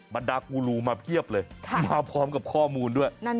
บรรดากูรูมาเพียบเลยมาพร้อมกับข้อมูลด้วย